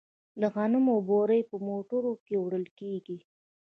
د غنمو بورۍ په موټرو کې وړل کیږي.